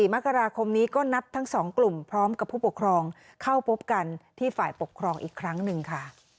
มกราคมนี้ก็นัดทั้ง๒กลุ่มพร้อมกับผู้ปกครองเข้าพบกันที่ฝ่ายปกครองอีกครั้งหนึ่งค่ะ